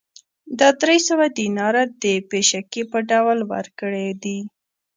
دا درې سوه دیناره د پېشکي په ډول ورکړي دي